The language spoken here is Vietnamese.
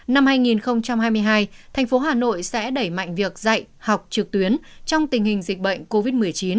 năm hai nghìn hai mươi hai thành phố hà nội sẽ đẩy mạnh việc dạy học trực tuyến trong tình hình dịch bệnh covid một mươi chín